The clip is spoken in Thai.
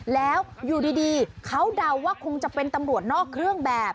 แล้วอยู่ดีเขาเดาว่าคงจะเป็นตำรวจนอกเครื่องแบบ